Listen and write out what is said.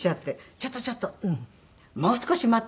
「ちょっとちょっともう少し待って」